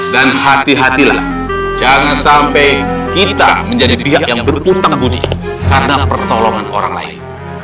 dan hati hatilah jangan sampai kita menjadi pihak yang berhutang aguni karena pertolongan orang lain